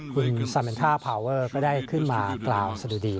คุณซาเมนท่าพาวเวอร์ก็ได้ขึ้นมากล่าวสะดุดี